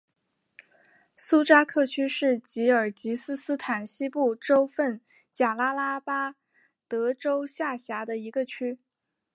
苏扎克区是吉尔吉斯斯坦西部州份贾拉拉巴德州下辖的一个区。